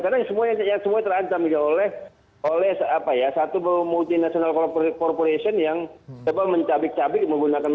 karena yang semua terancam juga oleh satu multinational corporation yang mencabik cabik menggunakan